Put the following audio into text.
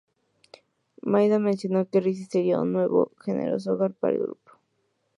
Maida mencionó que Rise sería "un nuevo generoso hogar" para el grupo.